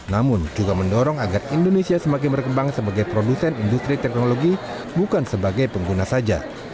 namun juga mendorong agar indonesia semakin berkembang sebagai produsen industri teknologi bukan sebagai pengguna saja